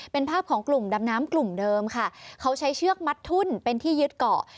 เป็นภาพของกลุ่มดำน้ำกลุ่มเดิมค่ะเขาใช้เชือกมัดทุ่นเป็นที่ยึดเกาะ